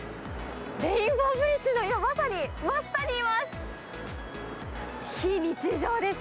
レインボーブリッジのまさに真下にいます。